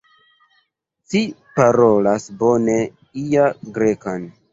Ci parolas bone la Grekan.